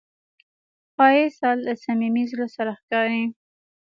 ښایست له صمیمي زړه سره ښکاري